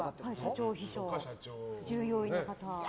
社長秘書とか従業員の方。